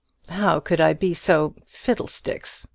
"How could I be so fiddlesticks!"